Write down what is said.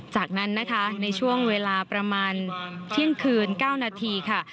จากนั้นนะคะในช่วงเวลาประมาณเที่ยงคืน๙นาทีค่ะ